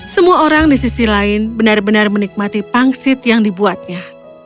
semua orang di sisi lain benar benar menikmati pangsit yang dibuatnya